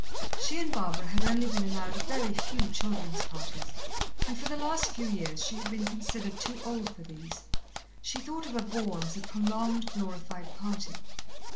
She and Barbara had only been allowed a very few children's parties, and for the last few years she had been considered too old for these. She thought of a ball as a prolonged, glorified party.